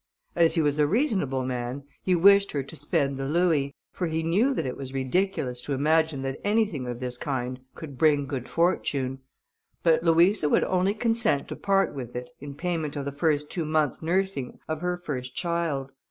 As he was a reasonable man, he wished her to spend the louis, for he knew that it was ridiculous to imagine that anything of this kind could bring good fortune; but Louisa would only consent to part with it, in payment of the first two months' nursing of her first child.